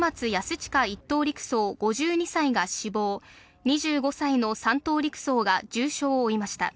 親１等陸曹５２歳が死亡、２５歳の３等陸曹が重傷を負いました。